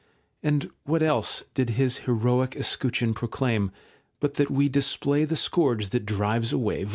And what else did his heroic escutcheon proclaim, but that ' we display the scourge that drives away vice